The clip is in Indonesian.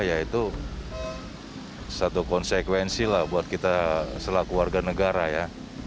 ya itu satu konsekuensi lah buat kita selaku warga negara ya